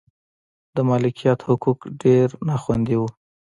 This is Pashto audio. د مالکیت حقوق ډېر نا خوندي و.